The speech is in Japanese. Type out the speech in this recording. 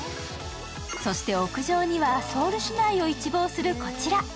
そして屋上には、ソウル市内を一望する、こちら。